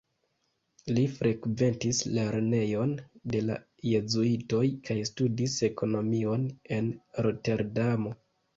Li frekventis lernejon de la jezuitoj kaj studis ekonomion en Roterdamo.